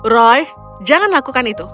roy jangan lakukan itu